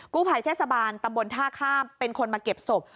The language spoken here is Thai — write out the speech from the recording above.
ภัยเทศบาลตำบลท่าข้ามเป็นคนมาเก็บศพ